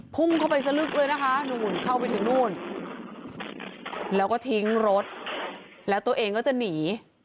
พุ่งเข้าไปสลึกเลยนะคะนู่นเข้าไปถึงนู่นแล้วก็ทิ้งรถแล้วตัวเองก็จะหนี